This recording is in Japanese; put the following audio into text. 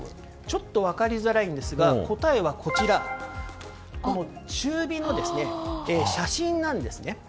ちょっと分かりづらいんですが答えは、中火の写真なんですね。